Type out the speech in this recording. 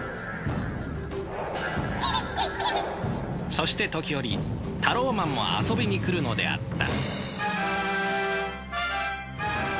そして時折タローマンも遊びに来るのであった。